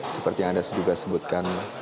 seperti yang anda juga sebutkan